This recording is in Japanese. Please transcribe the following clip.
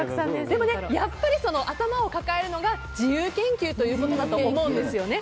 やっぱり頭を抱えるのが自由研究ということだと思うんですよね。